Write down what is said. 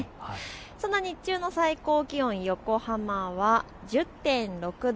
そんな日中の最高気温、横浜は１０．６度。